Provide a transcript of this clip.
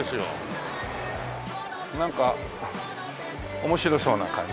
なんか面白そうな感じ。